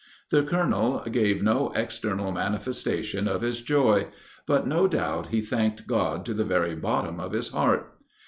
The colonel gave no external manifestation of his joy; but, no doubt, he thanked God to the very bottom of his heart."